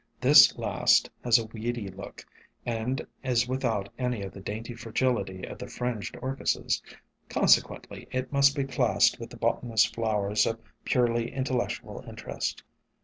This last has a weedy look and is without any of the dainty fragility of the Fringed SOME HUMBLE ORCHIDS 151 Orchises; consequently it must be classed with the botanist's flowers of purely intellectual interest.